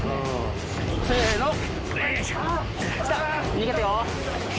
逃げてよ。